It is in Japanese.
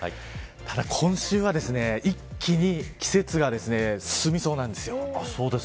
ただ、今週は一気に季節が進みそうなんです。